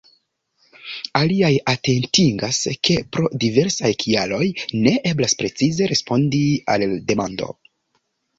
Aliaj atentigas, ke pro diversaj kialoj ne eblas precize respondi al la demando.